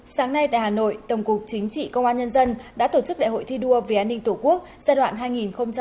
sáng nay tại hà nội tổng cục chính trị công an nhân dân đã tổ chức đại hội thi đua vì an ninh tổ quốc giai đoạn hai nghìn hai mươi hai nghìn hai mươi năm